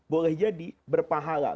boleh jadi berpahala